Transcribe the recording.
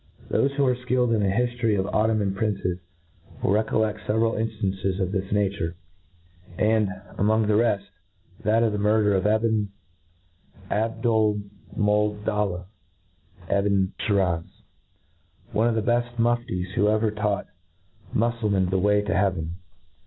Thofe who are {killed in the hiftory of Ottoman princes will recoiled fevcral inftances of this nature, and, among the reft, that of the murder of EbnAbdolmoldallah £bn Schiraz, one of the bcft Mufti's who ever taught muffulmcn the way, to heaven.